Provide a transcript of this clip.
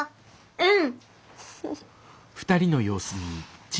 うん。